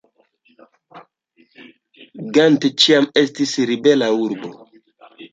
Gent ĉiam estis ribela urbo.